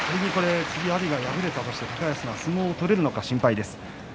次、阿炎が仮に敗れたとして高安が相撲を取れるのか心配です。